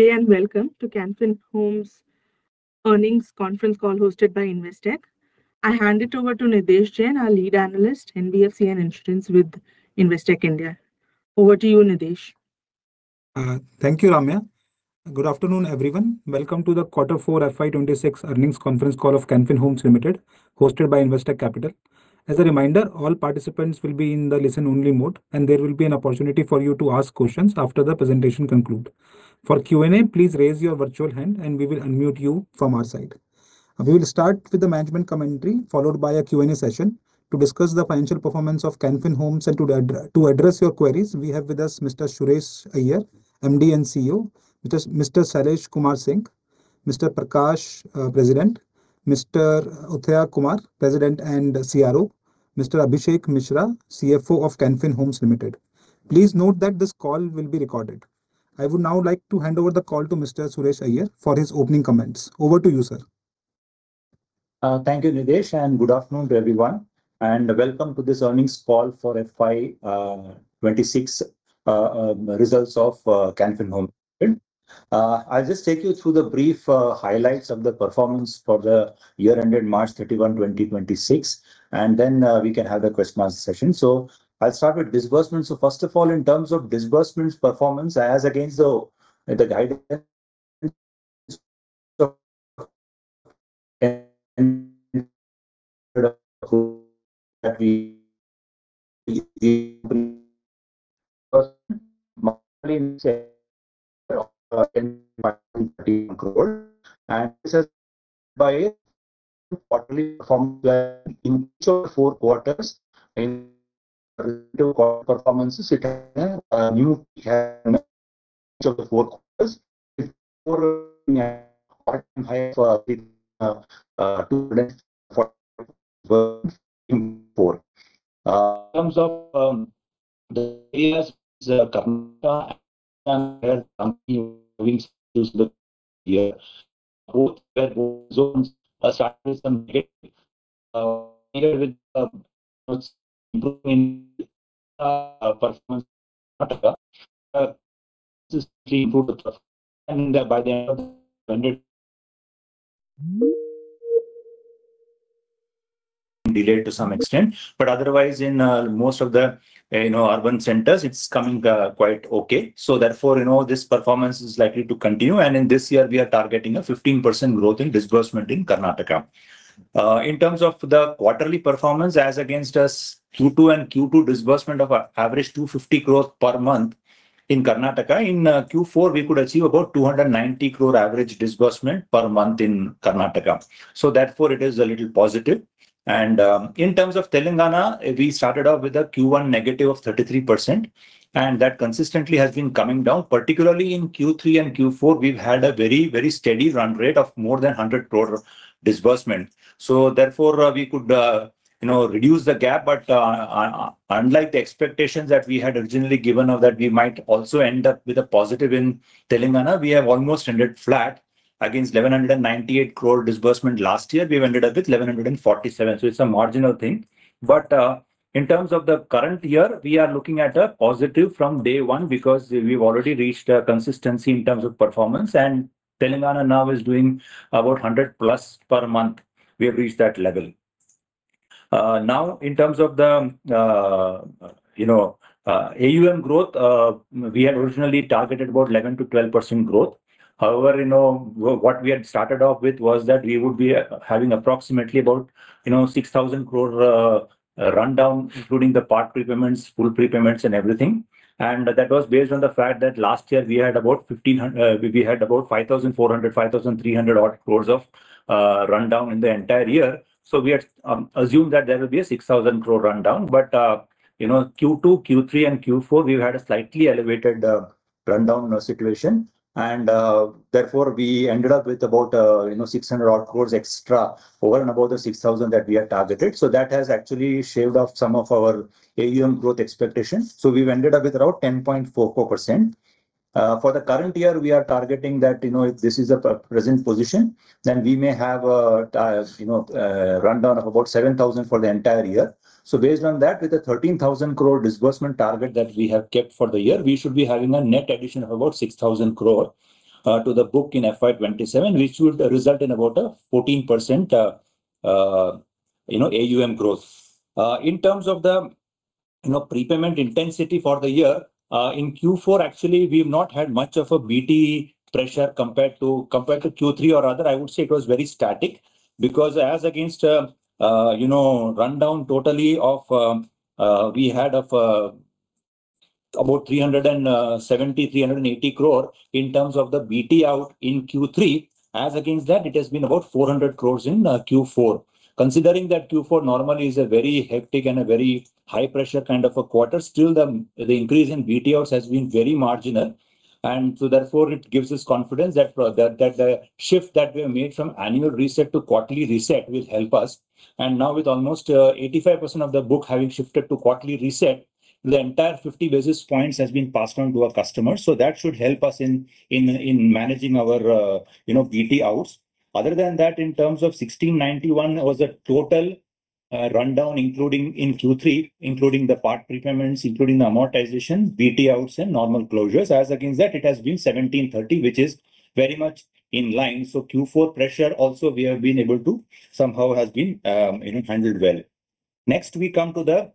Good day and welcome to Can Fin Homes earnings conference call hosted by Investec. I hand it over to Nidhesh Jain, our lead analyst, NBFC and Insurance with Investec India. Over to you, Nidhesh. Thank you, Ramya. Good afternoon, everyone. Welcome to the quarter four FY 2026 earnings conference call of Can Fin Homes Limited, hosted by Investec Capital. As a reminder, all participants will be in the listen only mode, and there will be an opportunity for you to ask questions after the presentation conclude. For Q&A, please raise your virtual hand and we will unmute you from our side. We will start with the management commentary followed by a Q&A session to discuss the financial performance of Can Fin Homes and to address your queries we have with us Mr. Suresh Iyer, MD and CEO, Mr. Shailesh Kumar Singh, Mr. Prakash, President, Mr. Uthaya Kumar, President and CRO, Mr. Abhishek Mishra, CFO of Can Fin Homes Limited. Please note that this call will be recorded. I would now like to hand over the call to Mr. Suresh Iyer for his opening comments. Over to you, sir. Thank you, Nidhesh, and good afternoon to everyone, and welcome to this earnings call for FY 2026 results of Can Fin Homes Limited. I'll just take you through the brief highlights of the performance for the year ended March 31, 2026, and then we can have the question answer session. I'll start with disbursements. First of all, in terms of disbursements performance as against the guide and this is by quarterly from the initial four quarters in relative performances, it has a new four quarters before 24. In terms of the areas Karnataka both zones started with some performance Karnataka. This is input and by the end of delayed to some extent. Otherwise in most of the, you know, urban centers it's coming quite okay. Therefore, you know, this performance is likely to continue. In this year we are targeting a 15% growth in disbursement in Karnataka. In terms of the quarterly performance, as against Q2 and Q2 disbursement of an average 250 crore per month in Karnataka, in Q4 we could achieve about 290 crore average disbursement per month in Karnataka. It is a little positive. In terms of Telangana, we started off with a Q1 negative of 33%, and that consistently has been coming down. Particularly in Q3 and Q4, we've had a very, very steady run rate of more than 100 crore disbursement. We could, you know, reduce the gap. Unlike the expectations that we had originally given of that we might also end up with a positive in Telangana, we have almost ended flat against 1,198 crore disbursement last year. We've ended up with 1,147, it's a marginal thing. In terms of the current year, we are looking at a positive from day one because we've already reached a consistency in terms of performance, and Telangana now is doing about 100+ per month. We have reached that level. Now in terms of the, you know, AUM growth, we had originally targeted about 11%-12% growth. However, you know, what we had started off with was that we would be having approximately about, you know, 6,000 crore rundown, including the part prepayments, full prepayments and everything. That was based on the fact that last year we had about 5,400, 5,300 odd crores of rundown in the entire year. We had assumed that there will be a 6,000 crore rundown. You know, Q2, Q3, and Q4, we've had a slightly elevated rundown situation. Therefore, we ended up with about, you know, 600 odd crores extra over and above the 6,000 that we had targeted. That has actually shaved off some of our AUM growth expectations. We've ended up with about 10.44%. For the current year, we are targeting that, you know, if this is our present position, then we may have a rundown of about 7,000 crore for the entire year. Based on that, with a 13,000 crore disbursement target that we have kept for the year, we should be having a net addition of about 6,000 crore to the book in FY 2027, which would result in about a 14% AUM growth. In terms of the prepayment intensity for the year, actually, we've not had much of a BT pressure compared to Q3 or other. I would say it was very static because as against you know a total of about 370 crore-380 crore in terms of the BT out in Q3. As against that, it has been about 400 crore in Q4. Considering that Q4 normally is a very hectic and a very high pressure kind of a quarter, still the increase in BT outs has been very marginal. Therefore, it gives us confidence that the shift that we have made from annual reset to quarterly reset will help us. Now with almost 85% of the book having shifted to quarterly reset, the entire 50 basis points has been passed on to our customers. That should help us in managing our BT outs. Other than that, in terms of 1,691 was a total runoff including in Q3, including the partial prepayments, including the amortization, debt outs and normal closures. As against that, it has been 1,730, which is very much in line. Q4 pressure also we have been able to somehow has been handled well. Next, we come to the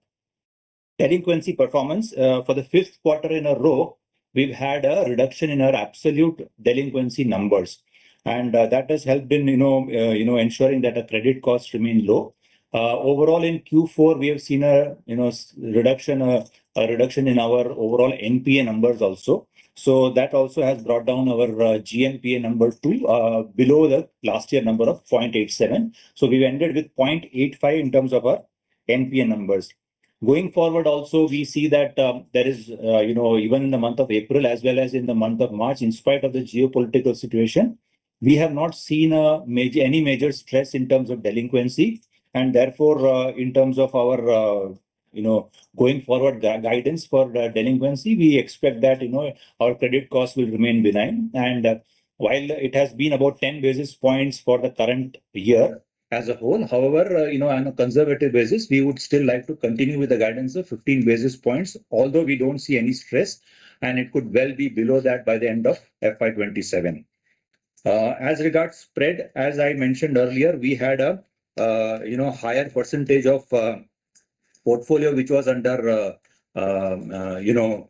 delinquency performance. For the fifth quarter in a row, we've had a reduction in our absolute delinquency numbers, and that has helped in you know ensuring that our credit costs remain low. Overall in Q4, we have seen a reduction in our overall NPA numbers also. That also has brought down our GNPA number to below the last year number of 0.87%. We've ended with 0.85% in terms of our NPA numbers. Going forward also, we see that there is you know, even in the month of April as well as in the month of March, in spite of the geopolitical situation, we have not seen any major stress in terms of delinquency. Therefore, in terms of our you know, going forward guidance for delinquency, we expect that you know, our credit costs will remain benign. While it has been about 10 basis points for the current year as a whole, however, you know, on a conservative basis, we would still like to continue with the guidance of 15 basis points, although we don't see any stress, and it could well be below that by the end of FY 2027. As regards spread, as I mentioned earlier, we had a, you know, higher percentage of portfolio which was under annual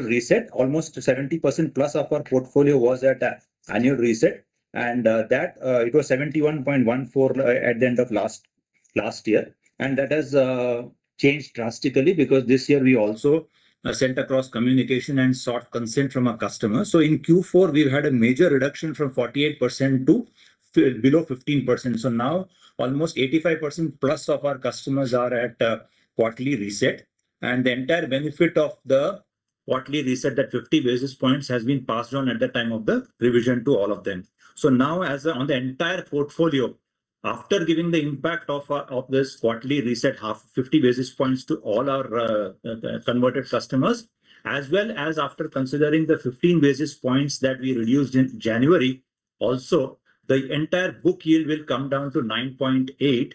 reset. Almost 70% plus of our portfolio was at an annual reset, and that it was 71.14% at the end of last year. That has changed drastically because this year we also sent across communication and sought consent from our customers. In Q4, we've had a major reduction from 48% to below 15%. Now almost 85% plus of our customers are at a quarterly reset. The entire benefit of the quarterly reset, that 50 basis points, has been passed on at the time of the revision to all of them. Now as on the entire portfolio, after giving the impact of this quarterly reset, 50 basis points to all our converted customers, as well as after considering the 15 basis points that we reduced in January, also the entire book yield will come down to 9.8%,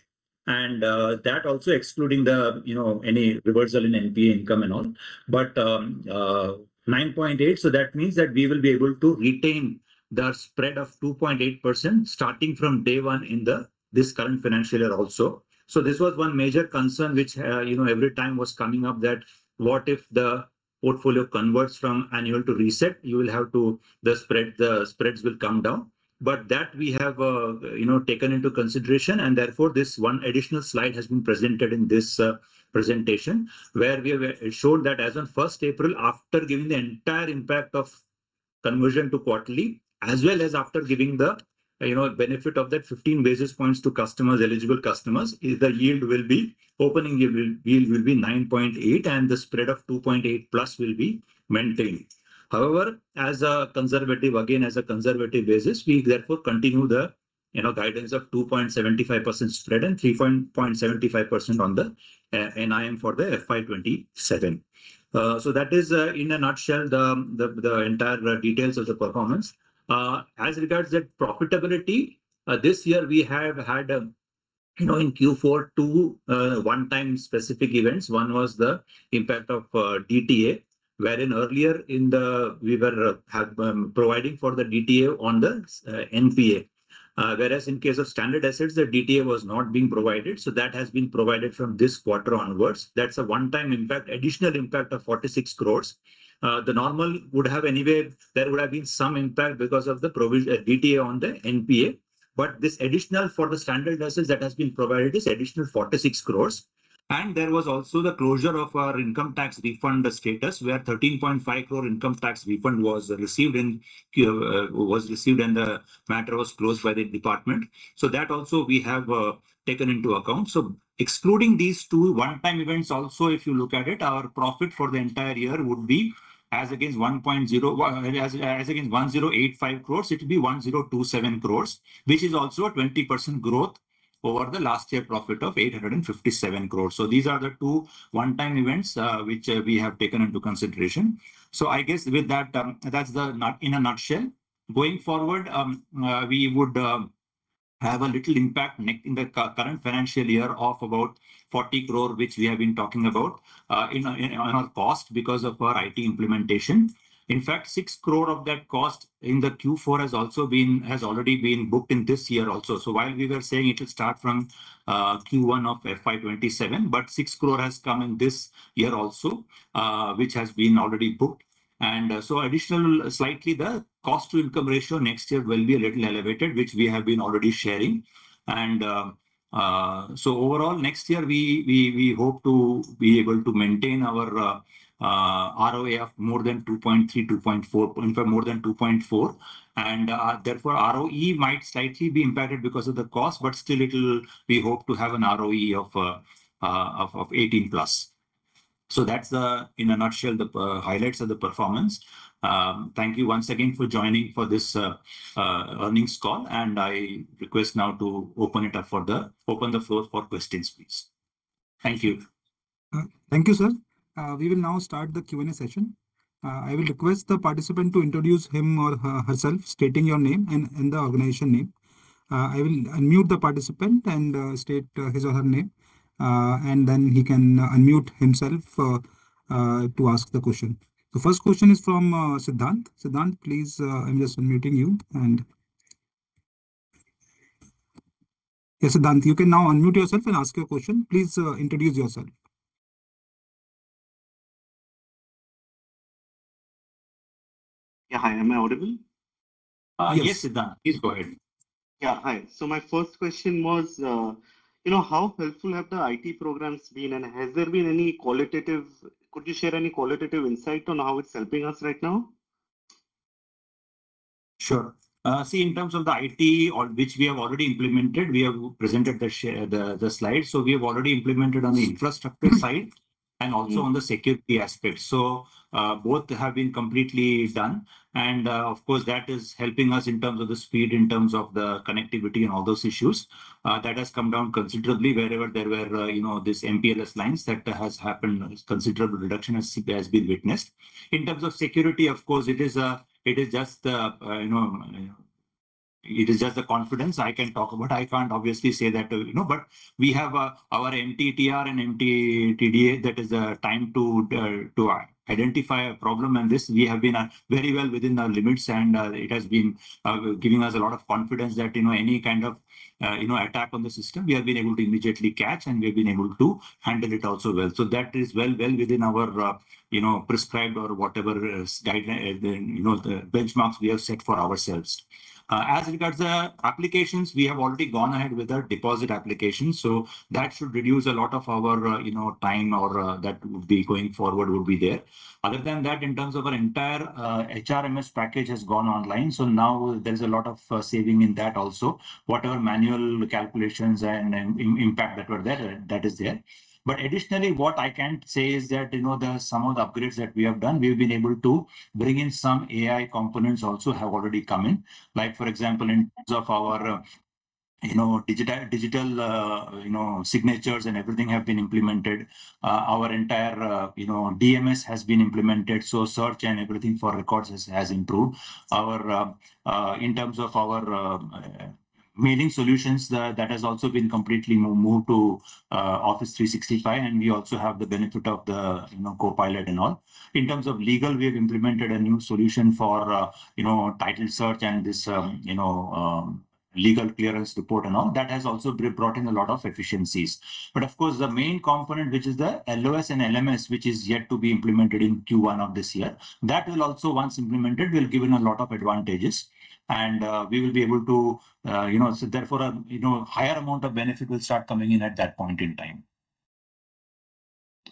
and that also excluding the you know any reversal in NPA income and all. Nine point eight, that means that we will be able to retain the spread of 2.8% starting from day one in this current financial year also. This was one major concern which, you know, every time was coming up that what if the portfolio converts from annual to reset, you will have to the spread, the spreads will come down. That we have, you know, taken into consideration, and therefore this one additional slide has been presented in this, presentation, where we have showed that as on 1st April, after giving the entire impact of conversion to quarterly, as well as after giving the, you know, benefit of that 15 basis points to customers, eligible customers, is the yield will be, opening yield will be 9.8%, and the spread of 2.8%+ will be maintained. However, as a conservative, again, as a conservative basis, we therefore continue the, you know, guidance of 2.75% spread and 3.75% on the NIM for the FY 2027. So that is, in a nutshell, the entire details of the performance. As regards the profitability, this year we have had, you know, in Q4, two one-time specific events. One was the impact of DTA, wherein earlier we have been providing for the DTA on the NPA. Whereas in case of standard assets, the DTA was not being provided, so that has been provided from this quarter onwards. That's a one-time impact, additional impact of 46 crore. The normal would have anyway, there would have been some impact because of the provision, DTA on the NPA. This additional provision for the standard assets that has been provided is 46 crore. There was also the closure of our income tax refund status, where 13.5 crore income tax refund was received and the matter was closed by the department. That also we have taken into account. Excluding these two one-time events also, if you look at it, our profit for the entire year would be as against 1,085 crore, it will be 1,027 crore, which is also a 20% growth over the last year profit of 857 crore. These are the two one-time events which we have taken into consideration. I guess with that's in a nutshell. Going forward, we would have a little impact in the current financial year of about 40 crore, which we have been talking about, in our cost because of our IT implementation. In fact, 6 crore of that cost in the Q4 has already been booked in this year also. While we were saying it will start from Q1 of FY 2027, 6 crore has come in this year also, which has been already booked. Additionally, slightly the cost to income ratio next year will be a little elevated, which we have been already sharing. Overall next year we hope to be able to maintain our ROA of more than 2.3%, 2.4%, in fact, more than 2.4%. Therefore, ROE might slightly be impacted because of the cost, but still it'll we hope to have an ROE of 18%+. That's the in a nutshell the highlights of the performance. Thank you once again for joining for this earnings call, and I request now to open the floor for questions, please. Thank you. Thank you, sir. We will now start the Q&A session. I will request the participant to introduce him or herself, stating your name and the organization name. I will unmute the participant and state his or her name, and then he can unmute himself to ask the question. The first question is from Siddharth. Siddharth, please, I'm just unmuting you. Yeah, Siddharth, you can now unmute yourself and ask your question. Please introduce yourself. Yeah. Hi, am I audible? Yes, Siddharth. Please go ahead. Yeah. Hi. My first question was, you know, how helpful have the IT programs been, and could you share any qualitative insight on how it's helping us right now? Sure. See, in terms of the IT on which we have already implemented, we have presented the slide. We have already implemented on the infrastructure side. Mm-hmm. Also on the security aspect. Both have been completely done. Of course, that is helping us in terms of the speed, in terms of the connectivity and all those issues. That has come down considerably wherever there were, you know, this MPLS lines that has happened, considerable reduction as CP has been witnessed. In terms of security, of course, it is, it is just, you know, it is just the confidence I can talk about. I can't obviously say that, you know, but we have, our MTTR and MTTD that is, time to identify a problem. This we have been very well within our limits. It has been giving us a lot of confidence that, you know, any kind of, you know, attack on the system, we have been able to immediately catch and we've been able to handle it also well. So that is well within our, you know, prescribed or whatever is guideline, you know, the benchmarks we have set for ourselves. As regards the applications, we have already gone ahead with our deposit applications, so that should reduce a lot of our, you know, time or, that would be going forward will be there. Other than that, in terms of our entire, HRMS package has gone online, so now there's a lot of, saving in that also. Whatever manual calculations and, impact that were there, that is there. Additionally, what I can say is that, you know, some of the upgrades that we have done, we've been able to bring in some AI components also have already come in. Like for example, in terms of our, you know, digital signatures and everything have been implemented. Our entire, you know, DMS has been implemented, so search and everything for records has improved. In terms of our mailing solutions, that has also been completely moved to Office 365, and we also have the benefit of the, you know, Copilot and all. In terms of legal, we have implemented a new solution for, you know, title search and this, you know, legal clearance report and all. That has also brought in a lot of efficiencies. Of course, the main component, which is the LOS and LMS, which is yet to be implemented in Q1 of this year, that will also, once implemented, will give us a lot of advantages and we will be able to, you know. Therefore, a higher amount of benefit will start coming in at that point in time.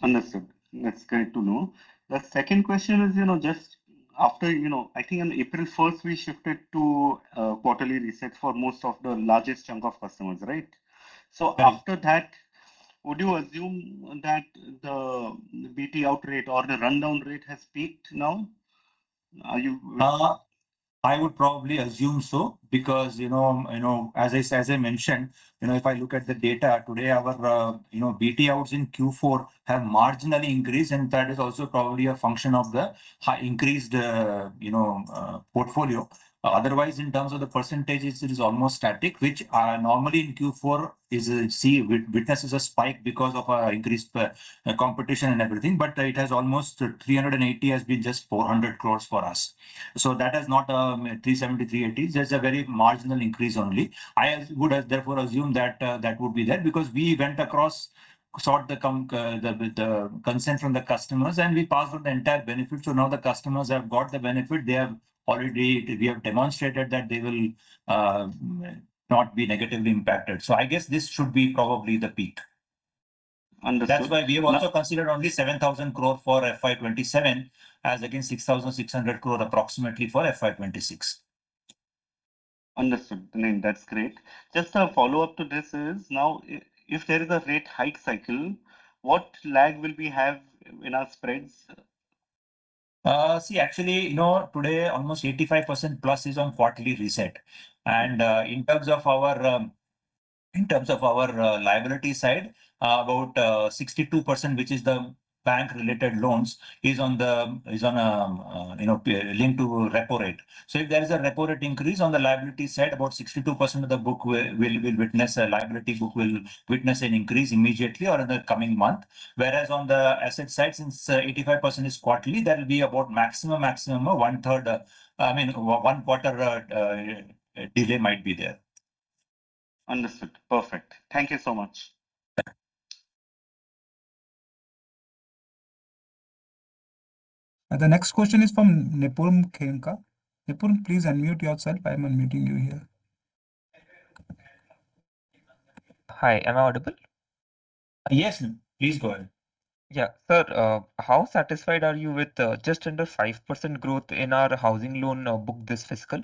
Understood. That's great to know. The second question is, you know, just after, you know, I think on April first we shifted to quarterly reset for most of the largest chunk of customers, right? Yes. After that, would you assume that the BT out rate or the rundown rate has peaked now? Are you- I would probably assume so. Because you know, as I mentioned, you know, if I look at the data today, our BT outs in Q4 have marginally increased, and that is also probably a function of the high increased portfolio. Otherwise, in terms of the percentages, it is almost static, which normally in Q4 witnesses a spike because of increased competition and everything. But it has almost 380 crore, has been just 400 crore for us. So that has not 370, 380. There's a very marginal increase only. I would therefore assume that that would be there. Because we went across, sought the consent from the customers, and we passed on the entire benefit. Now the customers have got the benefit. They have already, we have demonstrated that they will not be negatively impacted. I guess this should be probably the peak. Understood. That's why we have also considered only 7,000 crore for FY 2027, as against approximately INR 6,600 crore for FY 2026. Understood. I mean, that's great. Just a follow-up to this is, now if there is a rate hike cycle, what lag will we have in our spreads? See, actually, you know, today almost 85% plus is on quarterly reset. In terms of our liability side, about 62%, which is the bank related loans, is linked to repo rate. If there is a repo rate increase on the liability side, about 62% of the book will witness an increase immediately or in the coming month. Whereas on the asset side, since 85% is quarterly, that will be about maximum one quarter delay might be there. Understood. Perfect. Thank you so much. Yeah. The next question is from Nipun Kinkar. Nipun, please unmute yourself. I'm unmuting you here. Hi, am I audible? Yes. Please go ahead. Yeah. Sir, how satisfied are you with just under 5% growth in our housing loan book this fiscal?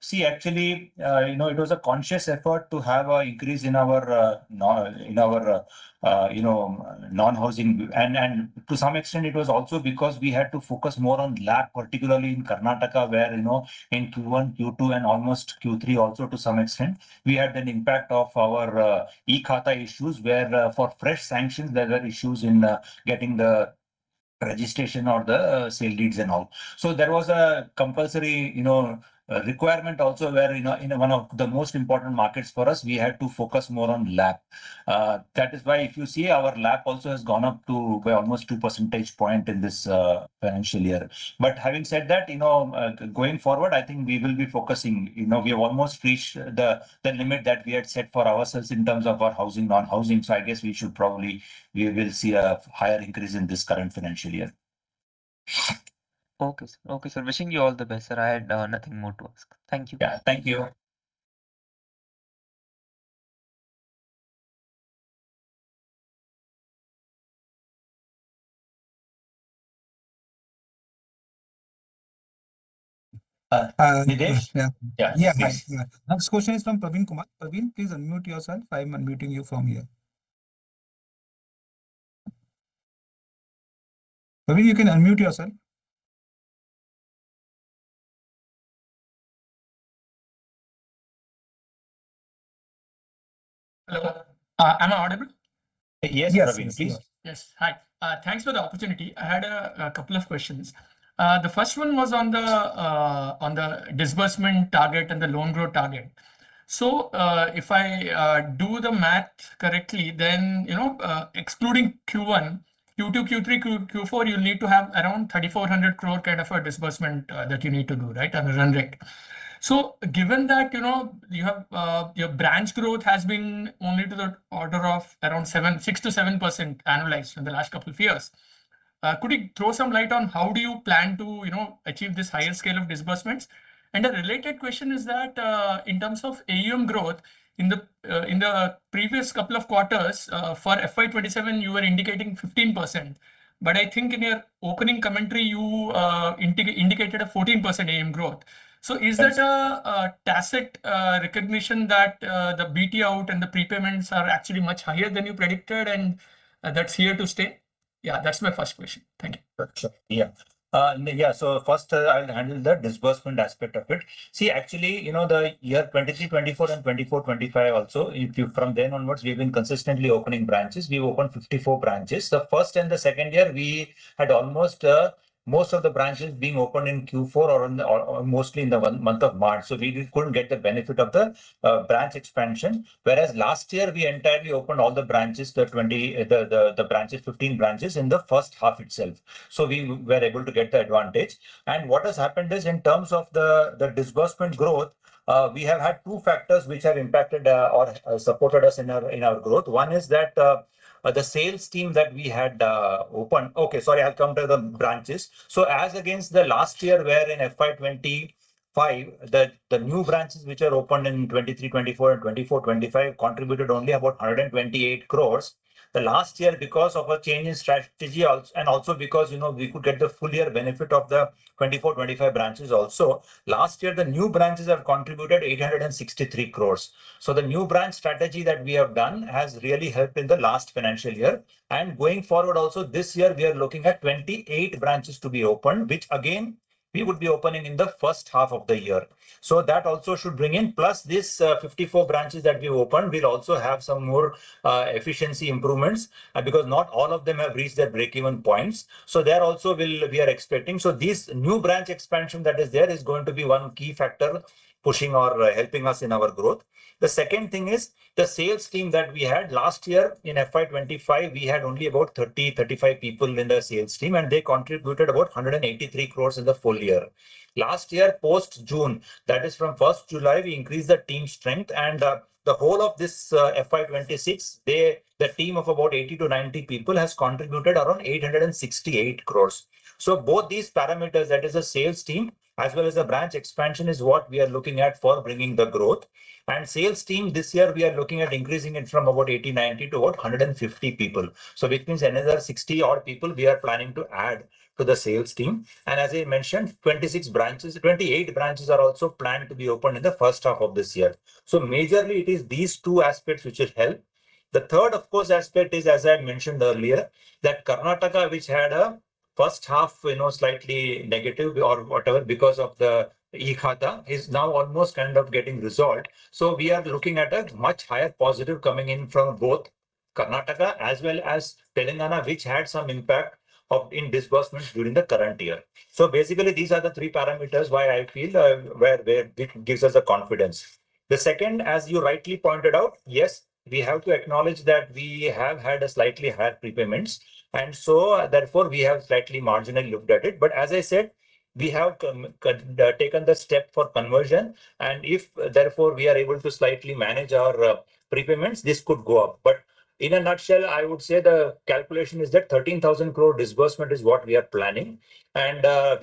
See, actually, you know, it was a conscious effort to have a increase in our, you know, non-housing. To some extent it was also because we had to focus more on LAP, particularly in Karnataka, where, you know, in Q1, Q2, and almost Q3 also to some extent, we had an impact of our e-Khata issues, where, for fresh sanctions there were issues in getting the registration or the sale deeds and all. There was a compulsory, you know, requirement also where, you know, in one of the most important markets for us, we had to focus more on LAP. That is why if you see our LAP also has gone up by almost two percentage points in this financial year. Having said that, you know, going forward, I think we will be focusing, you know, we have almost reached the limit that we had set for ourselves in terms of our housing, non-housing. I guess we will see a higher increase in this current financial year. Okay. Okay, sir. Wishing you all the best, sir. I had nothing more to ask. Thank you. Yeah. Thank you. Nidhesh? Yeah. Next question is from Praveen Kumar. Praveen, please unmute yourself. I'm unmuting you from here. Praveen, you can unmute yourself. Hello. Am I audible? Yes, Praveen. Please. Yes. Yes. Hi. Thanks for the opportunity. I had a couple of questions. The first one was on the disbursement target and the loan growth target. If I do the math correctly, then, you know, excluding Q1, Q2, Q3, Q4, you'll need to have around 3,400 crore kind of a disbursement that you need to do, right? Under run rate. Given that, you know, you have your branch growth has been only to the order of around 6%-7% annualized in the last couple of years. Could you throw some light on how do you plan to, you know, achieve this higher scale of disbursements? A related question is that, in terms of AUM growth, in the previous couple of quarters, for FY 2027, you were indicating 15%, but I think in your opening commentary, you indicated a 14% AUM growth. Yes. Is that a tacit recognition that the BT out and the prepayments are actually much higher than you predicted, and that's here to stay? Yeah, that's my first question. Thank you. Sure, yeah. First, I'll handle the disbursement aspect of it. See, actually, you know, the year 2023, 2024 and 2024, 2025 also, from then onwards, we've been consistently opening branches. We've opened 54 branches. The first and the second year, we had almost most of the branches being opened in Q4 or mostly in the one month of March. We couldn't get the benefit of the branch expansion. Whereas last year, we entirely opened all the branches, 15 branches in the first half itself. We were able to get the advantage. What has happened is, in terms of the disbursement growth, we have had two factors which have impacted or supported us in our growth. Okay, sorry, I'll come to the branches. As against the last year, where in FY 2025, the new branches which are opened in 2023, 2024 and 2024, 2025, contributed only about 128 crore. The last year, because of a change in strategy also, and also because, you know, we could get the full year benefit of the 2024, 2025 branches also. Last year, the new branches have contributed 863 crore. The new branch strategy that we have done has really helped in the last financial year. Going forward also this year, we are looking at 28 branches to be opened, which again, we would be opening in the first half of the year. That also should bring in, plus this 54 branches that we opened. We'll also have some more efficiency improvements because not all of them have reached their break-even points. There also we are expecting. This new branch expansion that is there is going to be one key factor pushing or helping us in our growth. The second thing is the sales team that we had. Last year in FY 2025, we had only about 30-35 people in the sales team, and they contributed about 183 crore in the full year. Last year, post-June, that is from July 1, we increased the team strength and the whole of this FY 2026, they, the team of about 80-90 people has contributed around 868 crore. Both these parameters, that is the sales team as well as the branch expansion, is what we are looking at for bringing the growth. Sales team this year, we are looking at increasing it from about 80, 90 to about 150 people. Which means another 60-odd people we are planning to add to the sales team. As I mentioned, 26 branches, 28 branches are also planned to be opened in the first half of this year. Majorly it is these two aspects which will help. The third, of course, aspect is, as I had mentioned earlier, that Karnataka, which had a first half, you know, slightly negative or whatever because of the e-Khata, is now almost kind of getting resolved. We are looking at a much higher positive coming in from both Karnataka as well as Telangana, which had some impact on disbursements during the current year. Basically, these are the three parameters why I feel where it gives us the confidence. The second, as you rightly pointed out, yes, we have to acknowledge that we have had a slightly higher prepayments, and so therefore we have slightly marginally looked at it. But as I said, we have come, taken the step for conversion, and if therefore, we are able to slightly manage our prepayments, this could go up. But in a nutshell, I would say the calculation is that 13,000 crore disbursement is what we are planning. We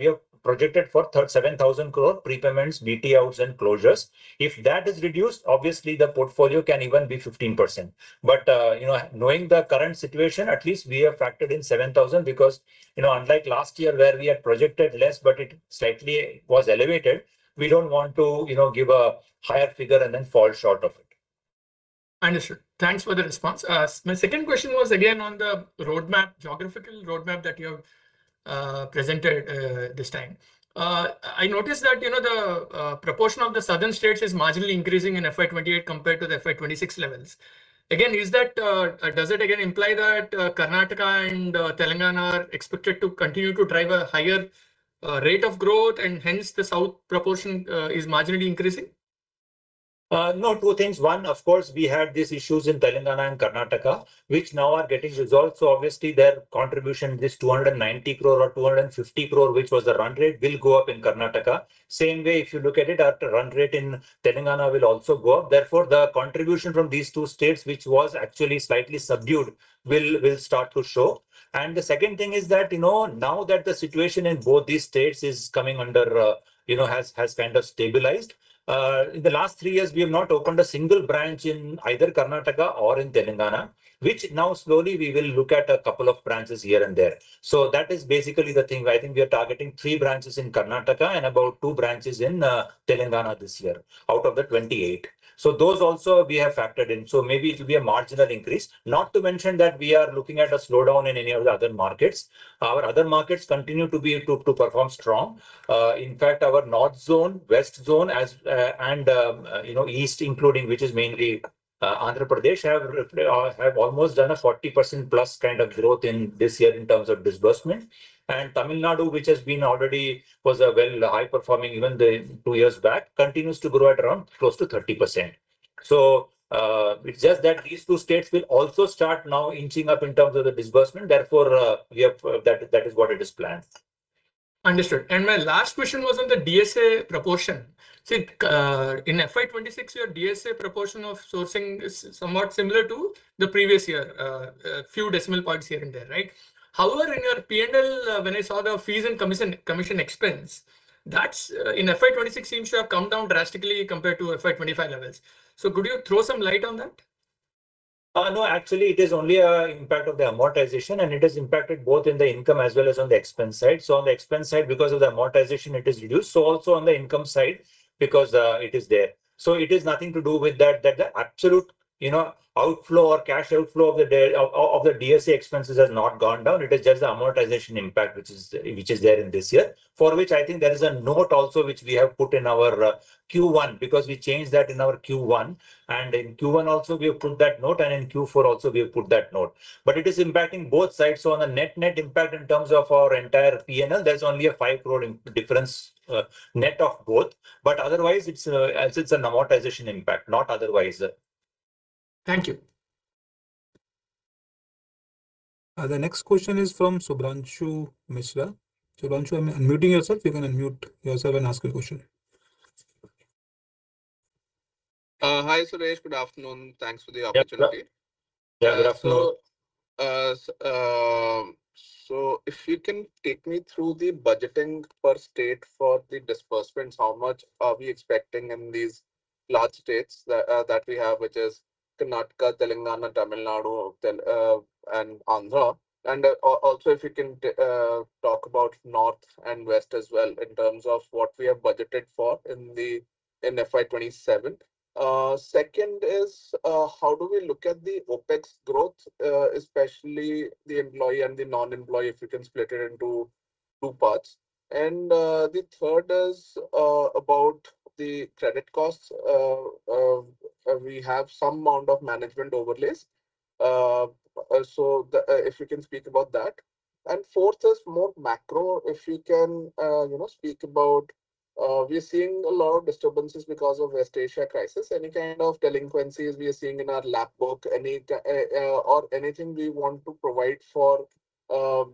have projected for 37,000 crore prepayments, BT outs and closures. If that is reduced, obviously the portfolio can even be 15%. Knowing the current situation, at least we have factored in 7 thousand because, you know, unlike last year where we had projected less but it slightly was elevated, we don't want to, you know, give a higher figure and then fall short of it. Understood. Thanks for the response. My second question was again on the roadmap, geographical roadmap that you have presented this time. I noticed that, you know, the proportion of the southern states is marginally increasing in FY 2028 compared to the FY 2026 levels. Again, does it again imply that Karnataka and Telangana are expected to continue to drive a higher rate of growth and hence the south proportion is marginally increasing? No, two things. One, of course, we had these issues in Telangana and Karnataka, which now are getting resolved, so obviously their contribution, this 290 crore or 250 crore, which was the run rate, will go up in Karnataka. Same way if you look at it, our run rate in Telangana will also go up. Therefore, the contribution from these two states, which was actually slightly subdued, will start to show. The second thing is that, you know, now that the situation in both these states is coming under, you know, has kind of stabilized. In the last three years we have not opened a single branch in either Karnataka or in Telangana, which now slowly we will look at a couple of branches here and there. So that is basically the thing. I think we are targeting three branches in Karnataka and about two branches in Telangana this year, out of the 28. Those also we have factored in, so maybe it will be a marginal increase. Not to mention that we are looking at a slowdown in any of the other markets. Our other markets continue to perform strong. In fact our North zone, West zone as, and you know, East including, which is mainly Andhra Pradesh, have almost done a 40% plus kind of growth in this year in terms of disbursement. Tamil Nadu, which has been already, was a well high-performing even the two years back, continues to grow at around close to 30%. It's just that these two states will also start now inching up in terms of the disbursement. Therefore, we have, that is, what it is planned. Understood. My last question was on the DSA proportion. See, in FY 2026, your DSA proportion of sourcing is somewhat similar to the previous year, few decimal points here and there, right? However, in your P&L, when I saw the fees and commission expense, that's in FY 2026 seems to have come down drastically compared to FY 2025 levels. Could you throw some light on that? No, actually it is only an impact of the amortization, and it has impacted both in the income as well as on the expense side. On the expense side, because of the amortization, it is reduced. Also on the income side, because it is there. It is nothing to do with that, the absolute, you know, outflow or cash outflow of the DSA expenses has not gone down. It is just the amortization impact which is there in this year. For which I think there is a note also which we have put in our Q1, because we changed that in our Q1. In Q1 also we have put that note, and in Q4 also we have put that note. It is impacting both sides, so on a net-net impact in terms of our entire P&L, there's only 5 crore difference, net of both. Otherwise it's as it's an amortization impact, not otherwise. Thank you. The next question is from Shubhranshu Mishra. Shubhranshu, unmuting yourself. You can unmute yourself and ask your question. Hi, Suresh. Good afternoon. Thanks for the opportunity. Yeah, good afternoon. If you can take me through the budgeting per state for the disbursements. How much are we expecting in these large states that we have, which is Karnataka, Telangana, Tamil Nadu, and Andhra? Also if you can talk about North and West as well in terms of what we have budgeted for in FY 2027. Second is how do we look at the OpEx growth, especially the employee and the non-employee, if you can split it into two parts. The third is about the credit costs. We have some amount of management overlays, so if you can speak about that. Fourth is more macro, if you can speak about, you know, we're seeing a lot of disturbances because of West Asia crisis. Any kind of delinquencies we are seeing in our LAP book, any or anything we want to provide for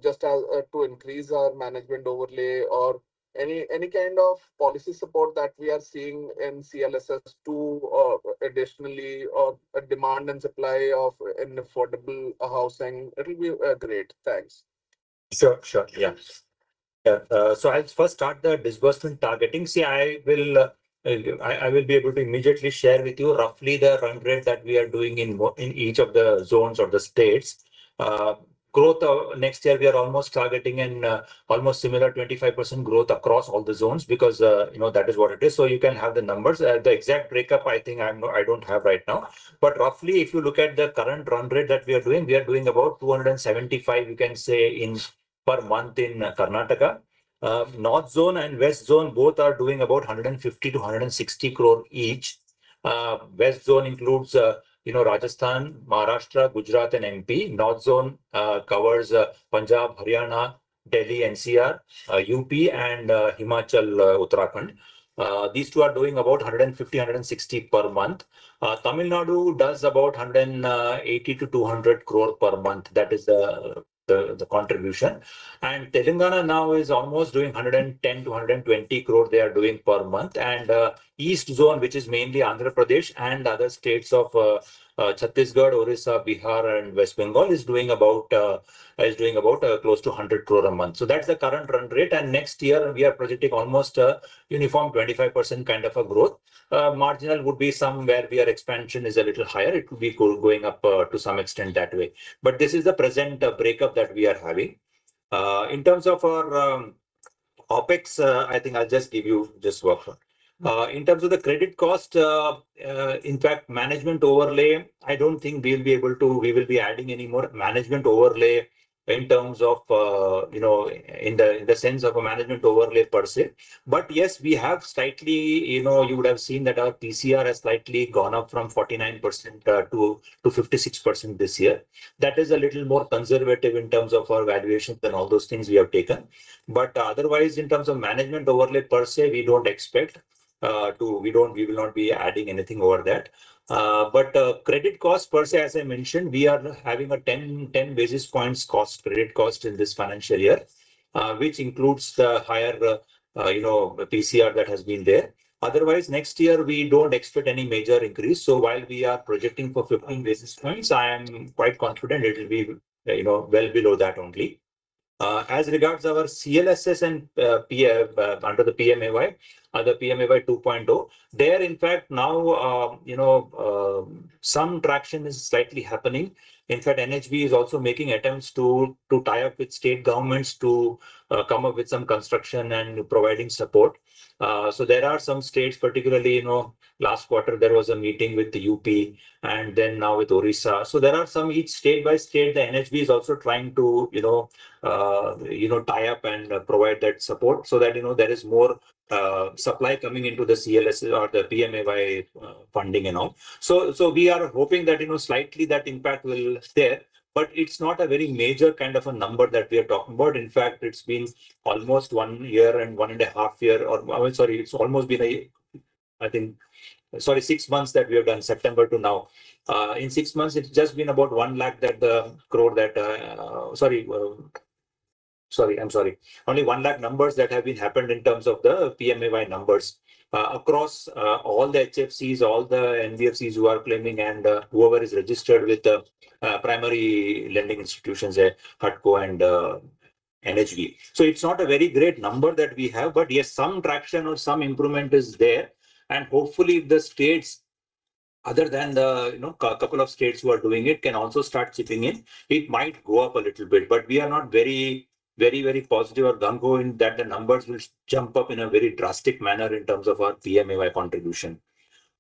just as to increase our management overlay or any kind of policy support that we are seeing in CLSS to additionally or demand and supply of an affordable housing. It'll be great. Thanks. Sure, sure. I'll first start the disbursement targeting. See, I will be able to immediately share with you roughly the run rate that we are doing in each of the zones or the states. Growth next year, we are almost targeting an almost similar 25% growth across all the zones because, you know, that is what it is. You can have the numbers. The exact breakup I think I don't have right now. Roughly, if you look at the current run rate that we are doing, we are doing about 275 crore per month in Karnataka. North zone and West zone both are doing about 150-160 crore each. West zone includes, you know, Rajasthan, Maharashtra, Gujarat and MP. North zone covers Punjab, Haryana, Delhi NCR, UP and Himachal, Uttarakhand. These two are doing about 150 crore-160 crore per month. Tamil Nadu does about 180 crore-200 crore per month. That is the contribution. Telangana now is almost doing 110 crore-120 crore per month. East zone, which is mainly Andhra Pradesh and other states of Chhattisgarh, Odisha, Bihar and West Bengal is doing about close to 100 crore a month. That's the current run rate. Next year we are projecting almost a uniform 25% kind of a growth. Marginal would be somewhere where expansion is a little higher. It could be going up to some extent that way. This is the present breakup that we are having. In terms of our OpEx, I think I'll just give you this one. In terms of the credit cost, in fact, management overlay, I don't think we will be adding any more management overlay in terms of, you know, in the sense of a management overlay per se. Yes, we have slightly, you know, you would have seen that our PCR has slightly gone up from 49% to 56% this year. That is a little more conservative in terms of our valuations and all those things we have taken. Otherwise, in terms of management overlay per se, we will not be adding anything over that. Credit cost per se, as I mentioned, we are having a 10 basis points credit cost in this financial year, which includes the higher, you know, PCR that has been there. Otherwise, next year we don't expect any major increase. While we are projecting for 15 basis points, I am quite confident it'll be, you know, well below that only. As regards our CLSS and PF under the PMAY, the PMAY 2.0, there in fact now, some traction is slightly happening. In fact, NHB is also making attempts to tie up with state governments to come up with some construction and providing support. There are some states particularly, you know, last quarter there was a meeting with the UP and then now with Odisha. The NHB is also trying to, you know, tie up and provide that support so that, you know, there is more supply coming into the CLSS or the PMAY funding and all. We are hoping that, you know, slight impact will be there, but it's not a very major kind of a number that we are talking about. In fact, it's been almost six months that we have done, September to now. In six months, it's just been about 100,000 crore. Only 1 lakh numbers that have been happened in terms of the PMAY numbers across all the HFCs, all the NBFCs who are claiming and whoever is registered with the primary lending institutions at HUDCO and NHB. It's not a very great number that we have, but yes, some traction or some improvement is there. Hopefully the states other than the, you know, couple of states who are doing it can also start chipping in, it might go up a little bit. We are not very positive or gung-ho in that the numbers will jump up in a very drastic manner in terms of our PMAY contribution.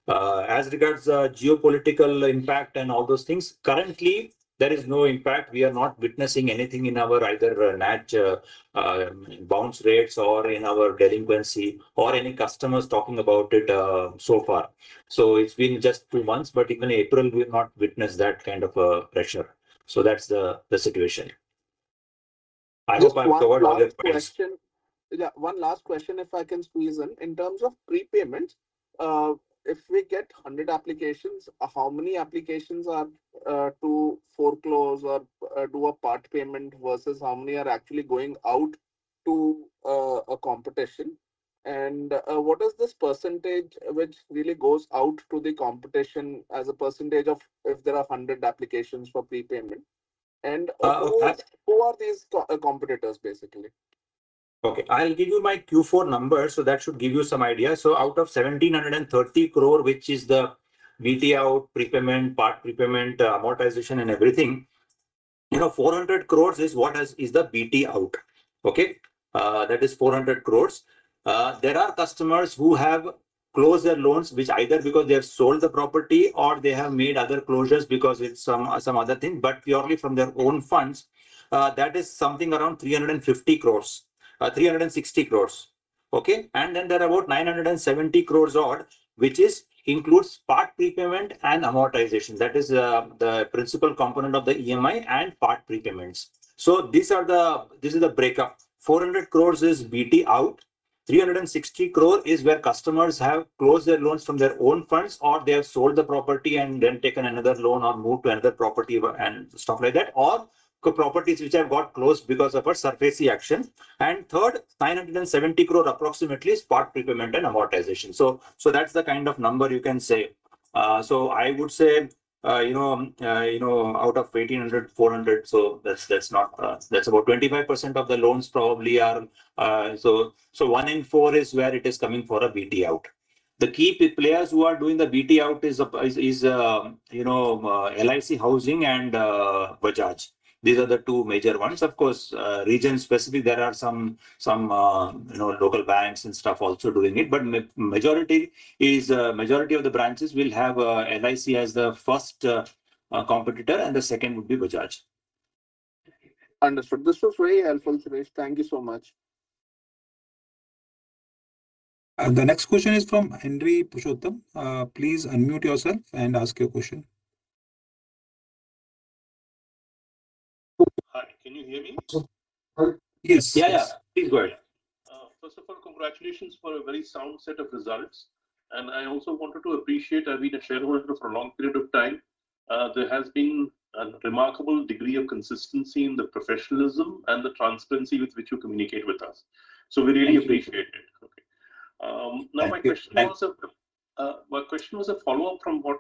As regards the geopolitical impact and all those things, currently there is no impact. We are not witnessing anything in our either NPA bounce rates or in our delinquency or any customers talking about it so far. It's been just two months, but even April we have not witnessed that kind of pressure. That's the situation. I hope I've covered all the points. Just one last question. Yeah, one last question, if I can squeeze in. In terms of prepayment, if we get 100 applications, how many applications are to foreclose or do a part payment versus how many are actually going out to a competition? What is this percentage which really goes out to the competition as a percentage of if there are 100 applications for prepayment? Uh, that's- Who are these co-competitors, basically? Okay, I'll give you my Q4 numbers, so that should give you some idea. Out of 1,730 crore, which is the BT out, prepayment, part prepayment, amortization and everything, you know, 400 crore is the BT out. Okay? That is 400 crore. There are customers who have closed their loans, which either because they have sold the property or they have made other closures because it's some other thing, but purely from their own funds, that is something around 350 crore, 360 crore. Okay? Then there are about 970 crore odd, which includes part prepayment and amortization. That is the principal component of the EMI and part prepayments. This is the breakup. 400 crore is BT out, 360 crore is where customers have closed their loans from their own funds or they have sold the property and then taken another loan or moved to another property and stuff like that, or properties which have got closed because of a servicer action. Third, approximately 970 crore is part prepayment and amortization. That's the kind of number you can say. I would say, you know, out of 1,800, 400, so that's not, that's about 25% of the loans probably are, so one in four is where it is coming for a BT out. The key players who are doing the BT out is, you know, LIC Housing and Bajaj. These are the two major ones. Of course, region specific, there are some, you know, local banks and stuff also doing it. Majority of the branches will have LIC as the first competitor, and the second would be Bajaj. Understood. This was very helpful, Suresh. Thank you so much. The next question is from Henry Pushottam. Please unmute yourself and ask your question. Hi, can you hear me? Yes. Yeah, yeah. Please go ahead. First of all, congratulations for a very sound set of results. I also wanted to appreciate, I've been a shareholder for a long period of time. There has been a remarkable degree of consistency in the professionalism and the transparency with which you communicate with us. Thank you. We really appreciate it. Okay. Now my question was Thank you. My question was a follow-up from what